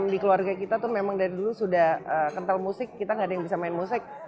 di keluarga kita tuh memang dari dulu sudah kental musik kita gak ada yang bisa main musik